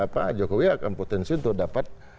pak jokowi akan potensi untuk dapat